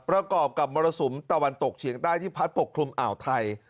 ประกอบกับมรสุมตะวันตกเฉียงใต้ที่พัดปกคลุมอ่าวไทย